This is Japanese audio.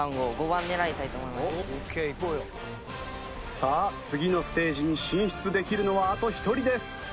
さあ次のステージに進出できるのはあと１人です。